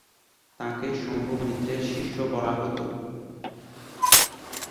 তাকে শম্ভু মিত্রের শিষ্য বলা হত।